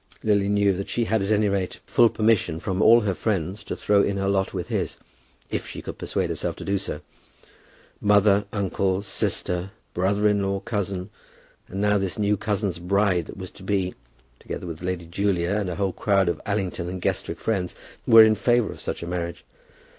Lily knew that she had at any rate full permission from all her friends to throw in her lot with his, if she could persuade herself to do so. Mother, uncle, sister, brother in law, cousin, and now this new cousin's bride that was to be, together with Lady Julia and a whole crowd of Allington and Guestwick friends, were in favour of such a marriage.